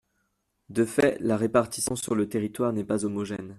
De fait, la répartition sur le territoire n’est pas homogène.